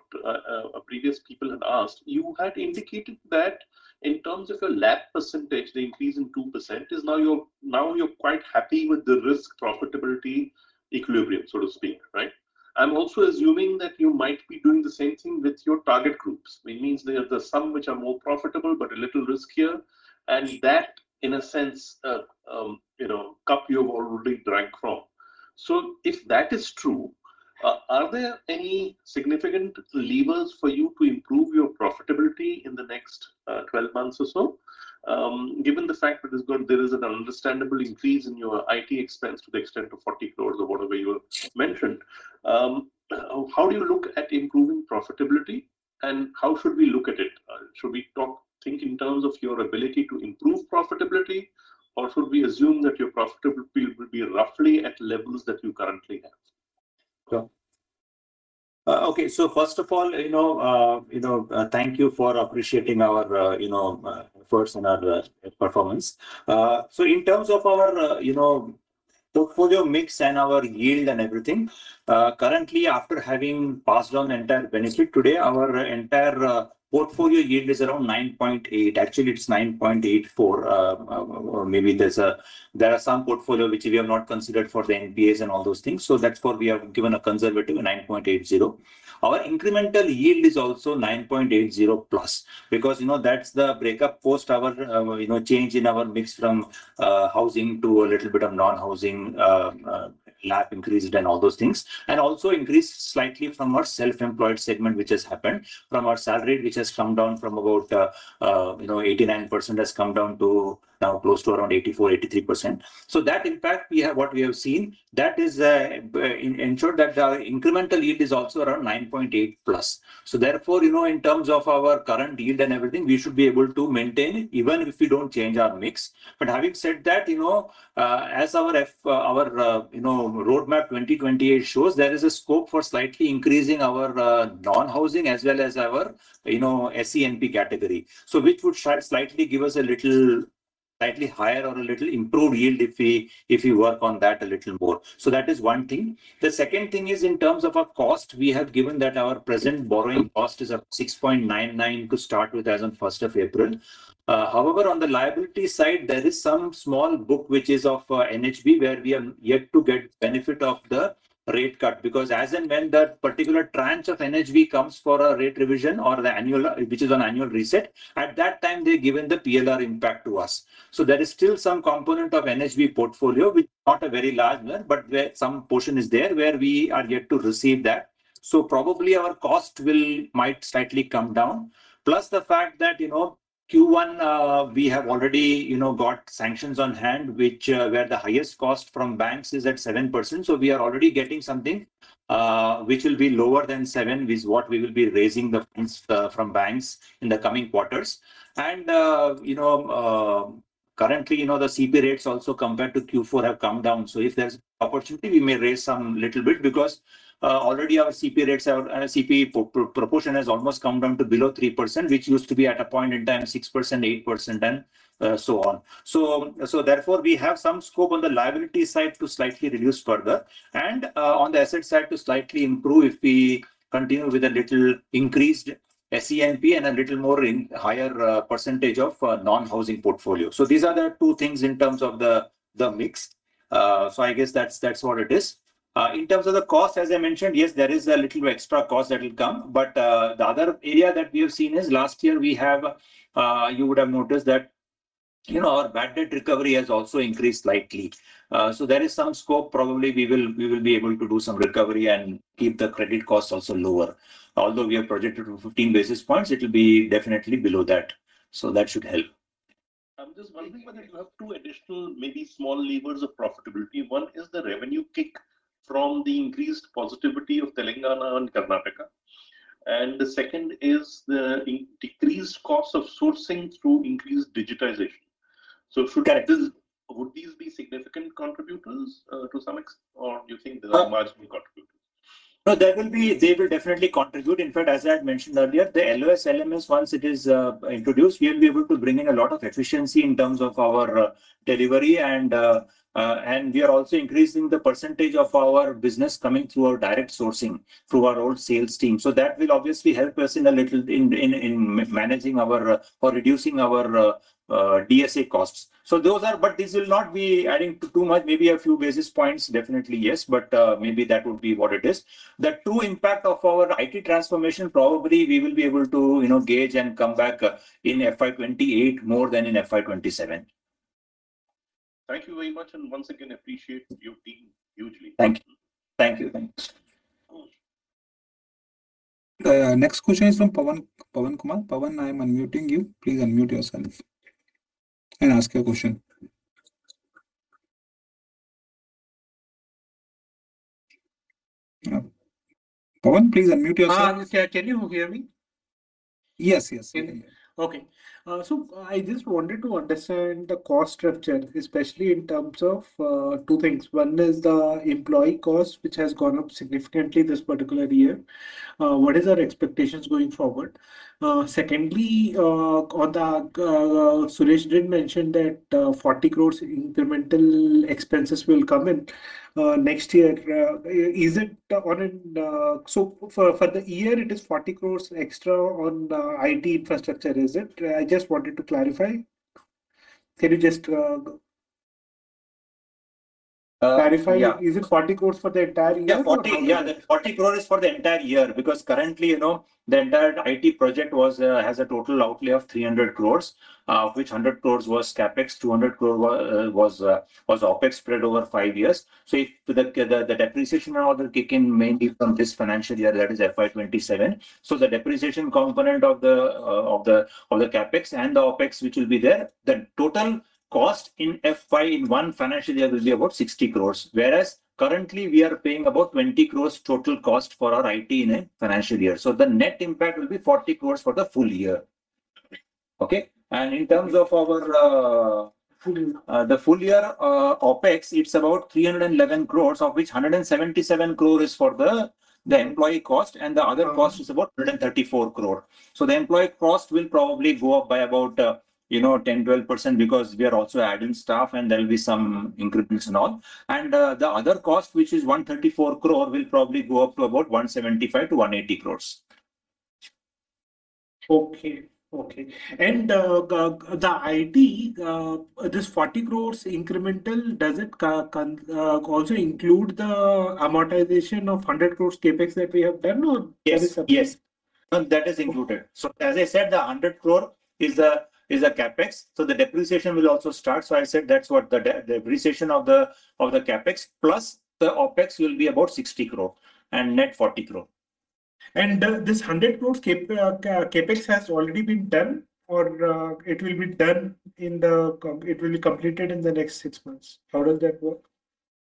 previous people had asked. You had indicated that in terms of a lag percentage, the increase in 2% is now you're quite happy with the risk profitability equilibrium, so to speak, right? I'm also assuming that you might be doing the same thing with your target groups. It means there are some which are more profitable but a little riskier, and that, in a sense, you know, cup you have already drank from. If that is true, are there any significant levers for you to improve your profitability in the next 12 months or so, given the fact that there is an understandable increase in your IT expense to the extent of 40 crore or whatever you have mentioned? How do you look at improving profitability and how should we look at it? Should we think in terms of your ability to improve profitability or should we assume that your profitability will be roughly at levels that you currently have? First of all, you know, thank you for appreciating our efforts and our performance. In terms of our, you know, portfolio mix and our yield and everything, currently after having passed on entire benefit today, our entire portfolio yield is around 9.8%. Actually it's 9.84%, or maybe there are some portfolio which we have not considered for the NPAs and all those things, so that's why we have given a conservative 9.80%. Our incremental yield is also 9.80%+ because, you know, that's the breakup post our change in our mix from housing to a little bit of non-housing, LAP increased and all those things. It has also increased slightly from our self-employed segment, which has happened from our salaried, which has come down from about 89% to now close to around 84%, 83%. That impact we have—what we have seen—that is ensured that our incremental yield is also around 9.8%+. Therefore, in terms of our current yield and everything, we should be able to maintain even if we don't change our mix. Having said that, as our roadmap 2028 shows, there is a scope for slightly increasing our non-housing as well as our SENP category. Which would slightly give us a little slightly higher or a little improved yield if we work on that a little more. That is one thing. The second thing is in terms of our cost. We have given that our present borrowing cost is at 6.99% to start with as on April 1. However, on the liability side, there is some small book which is of NHB where we are yet to get benefit of the rate cut because as and when that particular tranche of NHB comes for a rate revision which is on annual reset, at that time they're given the PLR impact to us. There is still some component of NHB portfolio which, not a very large one, but where some portion is there where we are yet to receive that. Probably our cost might slightly come down. Plus the fact that, you know, Q1 we have already, you know, got sanctions on hand which where the highest cost from banks is at 7%. So we are already getting something which will be lower than 7%, which is what we will be raising the funds from banks in the coming quarters. You know, currently, you know, the CP rates also compared to Q4 have come down. So if there's opportunity we may raise some little bit because already our CP rates are, and CP proportion has almost come down to below 3%, which used to be at a point in time 6%, 8% and so on. Therefore, we have some scope on the liability side to slightly reduce further and on the asset side to slightly improve if we continue with a little increased SENP and a little more in higher percentage of non-housing portfolio. These are the two things in terms of the mix. I guess that's what it is. In terms of the cost, as I mentioned, yes, there is a little extra cost that will come, but the other area that we have seen is last year we have you would have noticed that, you know, our bad debt recovery has also increased slightly. There is some scope probably we will be able to do some recovery and keep the credit costs also lower. Although we have projected 15 basis points, it will be definitely below that, so that should help. I'm just wondering whether you have two additional maybe small levers of profitability. One is the revenue kick from the increased positivity of Telangana and Karnataka, and the second is the decreased cost of sourcing through increased digitization. If you- Correct. Would these be significant contributors or do you think these are marginal contributors? No, there will be. They will definitely contribute. In fact, as I had mentioned earlier, the LOS LMS, once it is introduced, we'll be able to bring in a lot of efficiency in terms of our delivery and we are also increasing the percentage of our business coming through our direct sourcing, through our own sales team. That will obviously help us a little in managing our or reducing our DSA costs. Those are. This will not be adding too much. Maybe a few basis points, definitely yes, but maybe that would be what it is. The true impact of our IT transformation probably we will be able to, you know, gauge and come back in FY 2028 more than in FY 2027. Thank you very much, and once again appreciate your team hugely. Thank you. Thank you. Thanks. Of course. The next question is from Pawan Kumar. Pawan, I am unmuting you. Please unmute yourself and ask your question. Pawan, please unmute yourself. Yeah. Can you hear me? Yes, yes. Okay. I just wanted to understand the cost structure, especially in terms of two things. One is the employee cost, which has gone up significantly this particular year. What is our expectations going forward? Secondly, Suresh did mention that 40 crore incremental expenses will come in next year. For the year it is 40 crore extra on IT infrastructure, is it? I just wanted to clarify. Can you just clarify? Yeah. Is it 40 crore for the entire year or how much? Yeah. The 40 crore is for the entire year because currently, you know, the entire IT project has a total outlay of 300 crore, which 100 crore was CapEx, 200 crore was OpEx spread over five years. The depreciation now will kick in mainly from this financial year, that is FY 2027. The depreciation component of the CapEx and the OpEx which will be there, the total cost in one financial year will be about 60 crore. Whereas currently we are paying about 20 crore total cost for our IT in a financial year. The net impact will be 40 crore for the full year. Okay. In terms of our Full year The full year OpEx is about 311 crore, of which 177 crore is for the employee cost, and the other cost- Okay. is about 134 crore. The employee cost will probably go up by about, you know, 10%, 12% because we are also adding staff, and there will be some increments and all. The other cost, which is 134 crore, will probably go up to about 175 to 180 crores. Okay. The IT this 40 crore incremental, does it also include the amortization of 100 crore CapEx that we have done or that is a- Yes, yes. That is included. As I said, the 100 crore is a CapEx, the depreciation will also start. I said that's what the depreciation of the CapEx plus the OpEx will be about 60 crore and net 40 crore. This 100 crores CapEx has already been done or it will be completed in the next six months. How does that work?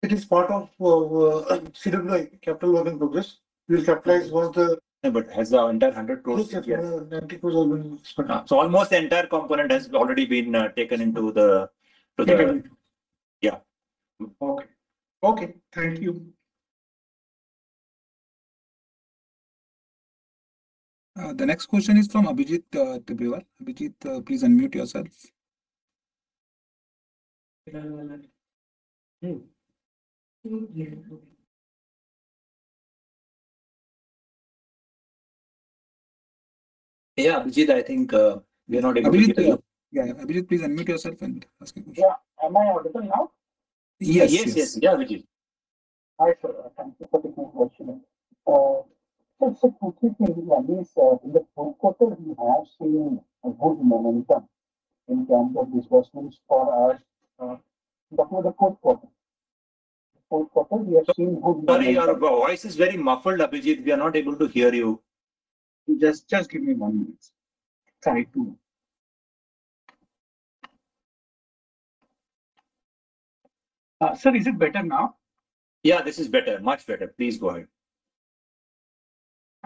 It is part of CWIP, capital work in progress. We'll capitalize once the No, but has the entire 100 crore. This CapEx, INR 90 crore have been spent. almost the entire component has already been taken into the Taken. Yeah. Okay. Okay, thank you. The next question is from Abhijit Tibrewal. Abhijit, please unmute yourself. Yeah, I'm unmuting. Yeah, okay. Yeah, Abhijit, I think we are not able to hear. Abhijit, yeah. Abhijit, please unmute yourself and ask your question. Yeah. Am I audible now? Yes. Yes. Yeah, Abhijit. Hi, sir. Thank you for the good questioning. I mean, in the fourth quarter we have seen a good momentum in terms of disbursements for us, but in the fourth quarter we have seen good momentum. Sorry, your voice is very muffled, Abhijit. We are not able to hear you. Just give me one minute. Sorry, two. Sir, is it better now? Yeah, this is better. Much better. Please go ahead.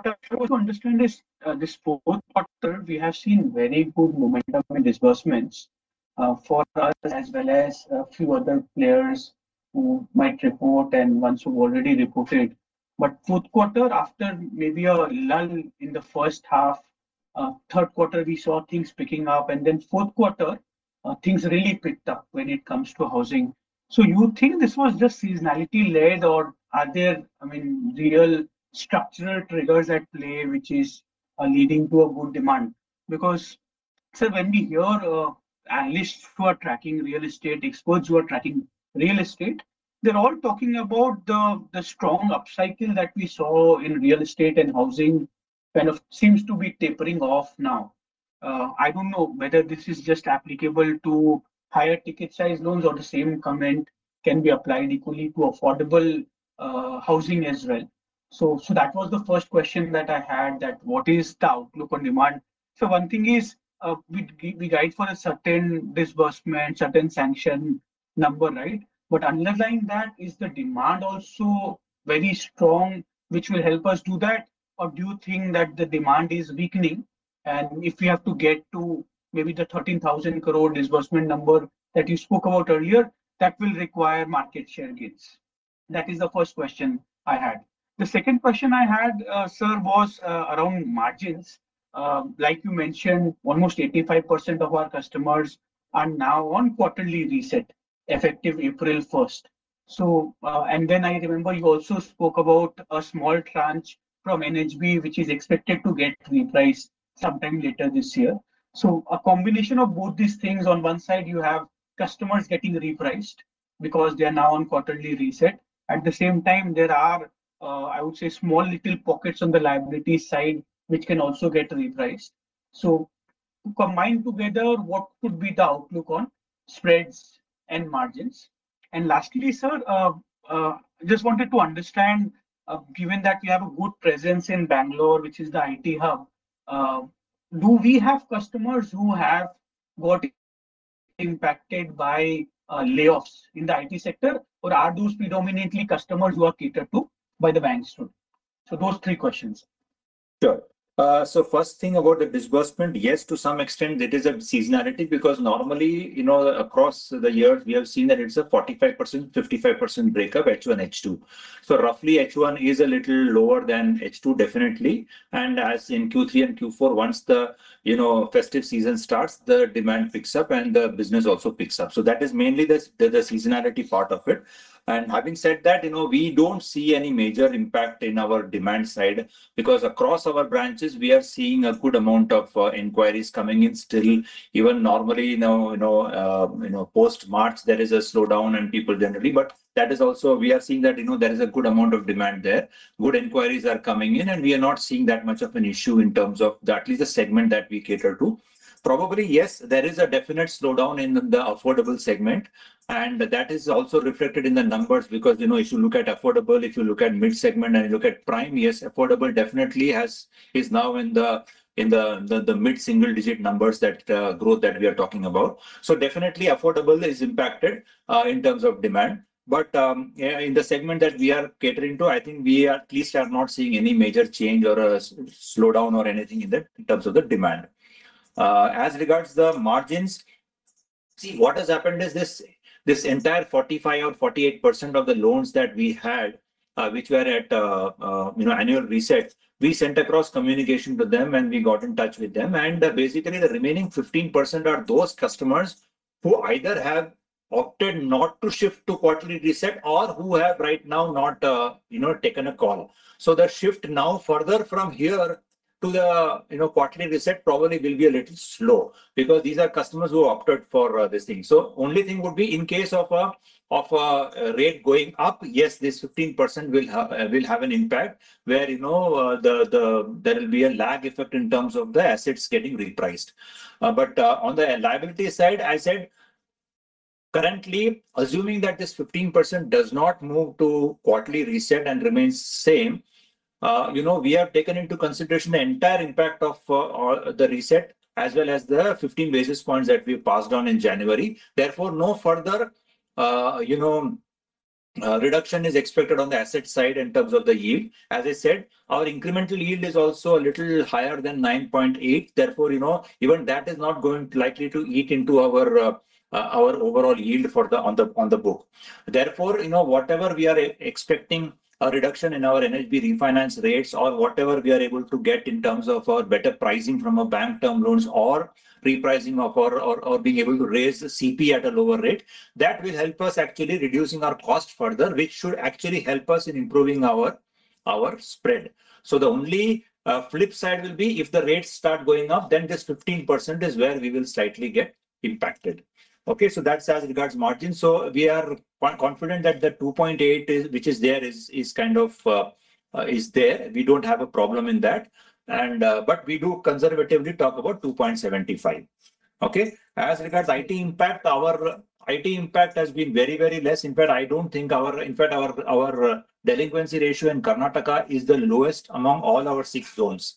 What I want to understand is, this fourth quarter, we have seen very good momentum in disbursements, for us as well as a few other players who might report and ones who've already reported. Fourth quarter, after maybe a lull in the first half, third quarter we saw things picking up, and then fourth quarter, things really picked up when it comes to housing. You think this was just seasonality led or are there, I mean, real structural triggers at play which is, are leading to a good demand? Because, sir, when we hear, analysts who are tracking real estate, experts who are tracking real estate, they're all talking about the strong upcycle that we saw in real estate and housing kind of seems to be tapering off now. I don't know whether this is just applicable to higher ticket size loans or the same comment can be applied equally to affordable housing as well. That was the first question that I had, that what is the outlook on demand? One thing is, we guide for a certain disbursement, certain sanction number, right? Underlying that, is the demand also very strong, which will help us do that? Or do you think that the demand is weakening? If we have to get to maybe the 13,000 crore disbursement number that you spoke about earlier, that will require market share gains. That is the first question I had. The second question I had, sir, was around margins. Like you mentioned, almost 85% of our customers are now on quarterly reset effective April 1st. I remember you also spoke about a small tranche from NHB, which is expected to get repriced sometime later this year. A combination of both these things, on one side you have customers getting repriced because they are now on quarterly reset. At the same time, there are, I would say small little pockets on the liability side which can also get repriced. Combined together, what could be the outlook on spreads and margins? Lastly, sir, just wanted to understand, given that you have a good presence in Bangalore, which is the IT hub, do we have customers who have got impacted by layoffs in the IT sector? Or are those predominantly customers who are catered to by the banks too? Those three questions. Sure. So first thing about the disbursement, yes, to some extent it is a seasonality because normally, you know, across the year we have seen that it's a 45%, 55% breakup H1, H2. Roughly H1 is a little lower than H2, definitely. As in Q3 and Q4, once the, you know, festive season starts, the demand picks up and the business also picks up. That is mainly the seasonality part of it. Having said that, you know, we don't see any major impact in our demand side because across our branches we are seeing a good amount of inquiries coming in still. Even normally now, you know, post-March there is a slowdown in people generally, but that is also, we are seeing that, you know, there is a good amount of demand there. Good inquiries are coming in and we are not seeing that much of an issue in terms of the at least the segment that we cater to. Probably, yes, there is a definite slowdown in the affordable segment, and that is also reflected in the numbers because, you know, if you look at affordable, if you look at mid-segment and look at prime, yes, affordable definitely is now in the mid single digit numbers that growth that we are talking about. So definitely affordable is impacted in terms of demand. Yeah, in the segment that we are catering to, I think we at least are not seeing any major change or a slowdown or anything in the, in terms of the demand. As regards the margins. See, what has happened is this entire 45% or 48% of the loans that we had, which were at, you know, annual reset, we sent across communication to them and we got in touch with them. And, basically, the remaining 15% are those customers who either have opted not to shift to quarterly reset or who have right now not, you know, taken a call. So the shift now further from here to the, you know, quarterly reset probably will be a little slow because these are customers who opted for this thing. Only thing would be in case of a rate going up, yes, this 15% will have an impact where, you know, there will be a lag effect in terms of the assets getting repriced. On the liability side, I said currently assuming that this 15% does not move to quarterly reset and remains same, you know, we have taken into consideration the entire impact of the reset as well as the 15 basis points that we passed on in January. Therefore, no further, you know, reduction is expected on the asset side in terms of the yield. As I said, our incremental yield is also a little higher than 9.8. Therefore, you know, even that is not going likely to eat into our overall yield on the book. Therefore, you know, whatever we are expecting a reduction in our NHB refinance rates or whatever we are able to get in terms of better pricing from a bank term loans, or repricing of our or being able to raise the CP at a lower rate, that will help us actually reducing our cost further, which should actually help us in improving our spread. The only flip side will be if the rates start going up, then this 15% is where we will slightly get impacted. Okay. That's as regards margin. We are quite confident that the 2.8% is which is there is kind of there. We don't have a problem in that. We do conservatively talk about 2.75%. Okay? As regards IT impact, our IT impact has been very, very less. In fact, our delinquency ratio in Karnataka is the lowest among all our six zones,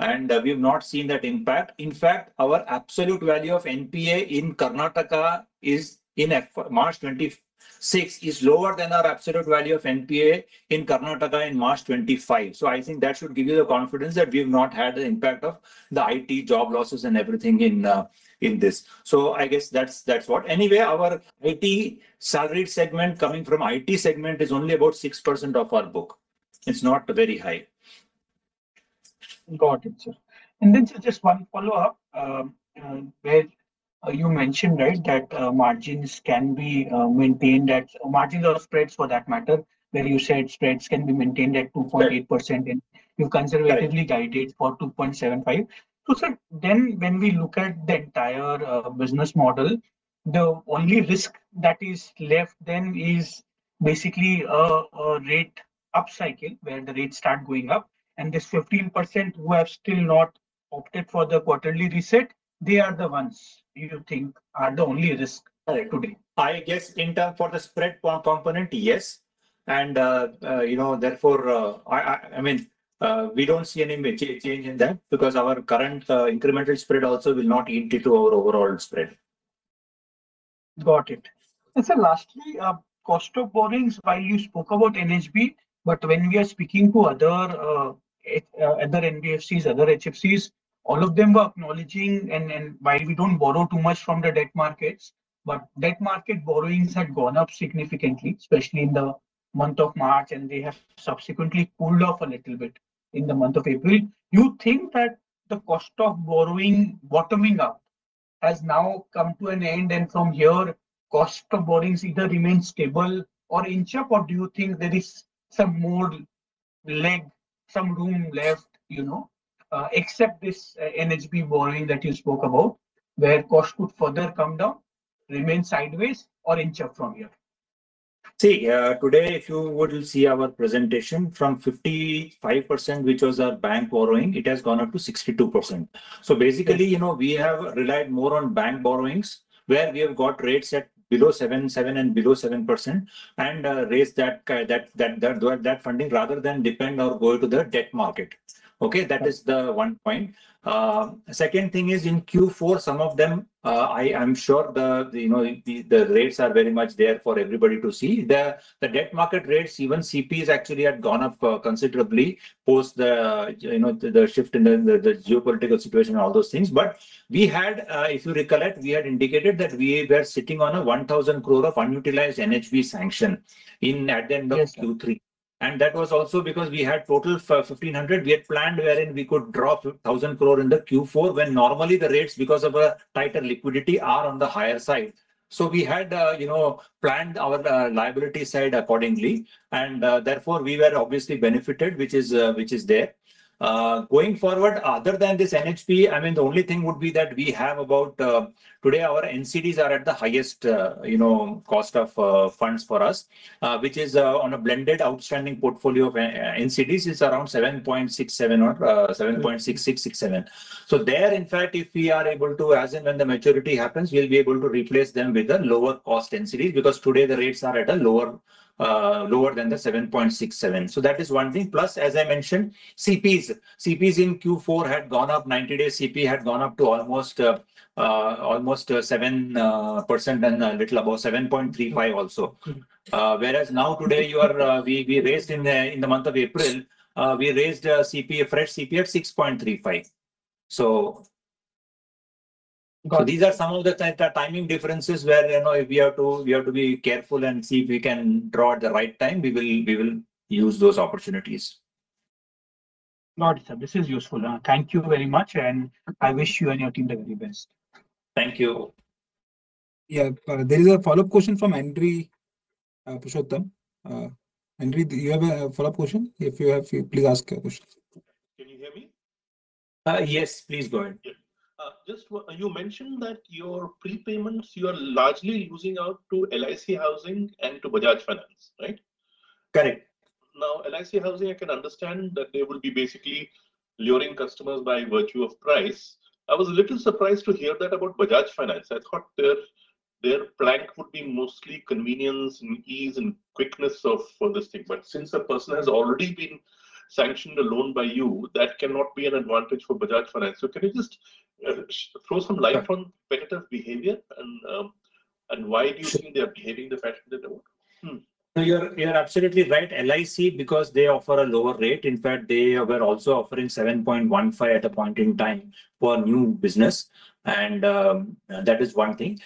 and we've not seen that impact. In fact, our absolute value of NPA in Karnataka in FY March 2026 is lower than our absolute value of NPA in Karnataka in March 2025. I think that should give you the confidence that we've not had the impact of the IT job losses and everything in this. I guess that's what. Anyway, our IT salaried segment coming from IT segment is only about 6% of our book. It's not very high. Got it, sir. Just one follow-up, where you mentioned, right, margins or spreads for that matter, where you said spreads can be maintained at 2.8%. Right you've conservatively Right Guided for 2.75%. Sir, when we look at the entire business model, the only risk that is left then is basically a rate upcycle, where the rates start going up. This 15% who have still not opted for the quarterly reset, they are the ones you think are the only risk today? I guess in terms of the spread component, yes. You know, therefore, I mean, we don't see any change in that because our current incremental spread also will not eat into our overall spread. Got it. Sir, lastly, cost of borrowings. While you spoke about NHB, but when we are speaking to other NBFCs, other HFCs, all of them are acknowledging and while we don't borrow too much from the debt markets, but debt market borrowings had gone up significantly, especially in the month of March, and they have subsequently cooled off a little bit in the month of April. You think that the cost of borrowing bottoming out has now come to an end, and from here cost of borrowings either remain stable or inch up? Or do you think there is some more leg, some room left, you know, except this NHB borrowing that you spoke about where cost could further come down, remain sideways, or inch up from here? See, today, if you were to see our presentation, from 55%, which was our bank borrowing, it has gone up to 62%. Okay. Basically, you know, we have relied more on bank borrowings, where we have got rates at below 7%-7%. We raised that funding rather than depend or go to the debt market. Okay. Right. That is the one point. Second thing is in Q4, some of them, I'm sure you know, the rates are very much there for everybody to see. The debt market rates, even CPs actually had gone up considerably post the you know, the shift in the geopolitical situation and all those things. We had, if you recollect, indicated that we were sitting on 1,000 crore of unutilized NHB sanction at the end of- Yes, sir. Q3. That was also because we had total 1,500 we had planned, wherein we could draw 2,000 crore in the Q4, when normally the rates, because of a tighter liquidity, are on the higher side. We had, you know, planned our liability side accordingly. Therefore, we were obviously benefited, which is there. Going forward, other than this NHP, I mean, the only thing would be that we have about today our NCDs are at the highest, you know, cost of funds for us, which is on a blended outstanding portfolio of NCDs is around 7.67% or Mm-hmm 7.67%. In fact, if we are able to, as and when the maturity happens, we'll be able to replace them with a lower cost NCD, because today the rates are at a lower lower than the 7.67%. That is one thing. Plus, as I mentioned, CPs in Q4 had gone up, 90-day CP had gone up to almost 7% and a little above, 7.35 also. Mm-hmm. Whereas now today you are, we raised in the month of April, we raised a CP, a fresh CP at 6.35%. These are some of the timing differences where, you know, if we have to be careful and see if we can draw at the right time, we will use those opportunities. Got it, sir. This is useful. Thank you very much, and I wish you and your team the very best. Thank you. Yeah. There is a follow-up question from Henry Pushottam. Henry, do you have a follow-up question? If you have, please ask your question. Can you hear me? Yes. Please go ahead. Yeah. Just, you mentioned that your prepayments you are largely using out to LIC Housing Finance and to Bajaj Finance, right? Correct. Now, LIC Housing, I can understand that they will be basically luring customers by virtue of price. I was a little surprised to hear that about Bajaj Finance. I thought their plank would be mostly convenience and ease and quickness of for this thing. Since a person has already been sanctioned a loan by you, that cannot be an advantage for Bajaj Finance. Can you just throw some light- Yeah on competitive behavior and why do you think they are behaving in the fashion that they want? No, you're absolutely right. LIC, because they offer a lower rate, in fact they were also offering 7.15% at a point in time for new business, and that is one thing.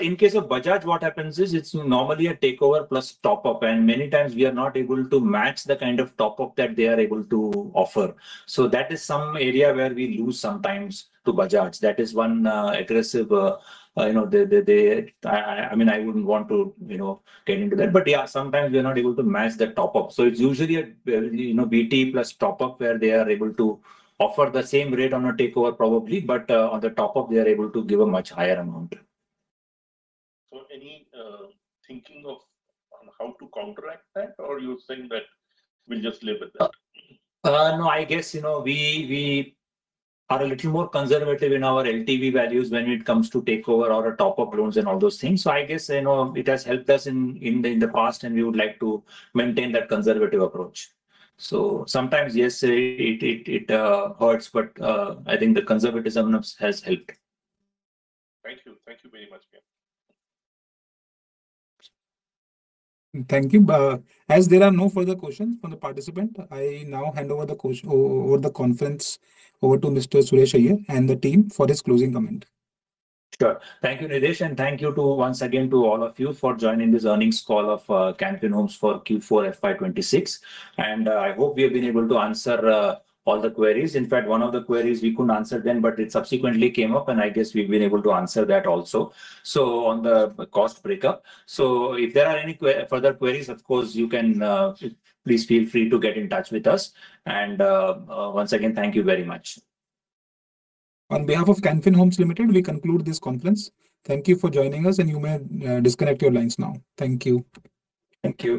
In case of Bajaj, what happens is it's normally a takeover plus top-up, and many times we are not able to match the kind of top-up that they are able to offer. That is some area where we lose sometimes to Bajaj. That is one aggressive, you know, they. I mean, I wouldn't want to, you know, get into that. Yeah, sometimes we are not able to match that top-up. It's usually a, you know, BT plus top-up where they are able to offer the same rate on a takeover probably, but on the top-up they are able to give a much higher amount. Any thinking on how to counteract that, or you're saying that we'll just live with that? No, I guess, you know, we are a little more conservative in our LTV values when it comes to takeover or top-up loans and all those things. I guess, you know, it has helped us in the past and we would like to maintain that conservative approach. Sometimes, yes, it hurts, but I think the conservatism has helped. Thank you. Thank you very much, Sir. Thank you. As there are no further questions from the participant, I now hand over the conference to Mr. Suresh Iyer and the team for his closing comment. Sure. Thank you, Nidhesh, and thank you, once again, to all of you for joining this earnings call of Can Fin Homes for Q4 FY 2026. I hope we have been able to answer all the queries. In fact, one of the queries we couldn't answer then, but it subsequently came up, and I guess we've been able to answer that also. On the cost breakup. If there are any further queries, of course, you can please feel free to get in touch with us. Once again, thank you very much. On behalf of Can Fin Homes Limited, we conclude this conference. Thank you for joining us, and you may, disconnect your lines now. Thank you. Thank you.